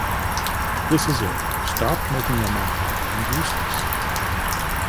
This is it: stop making them unhappy and useless.